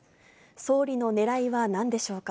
総理のねらいはなんでしょうか。